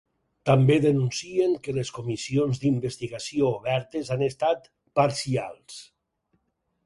També denuncien que les comissions d’investigació obertes han estat “parcials”.